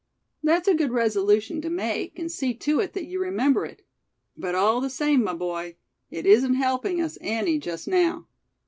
"That's a good resolution to make, and see to it that you remember it. But all the same, my boy, it isn't helping us any just now.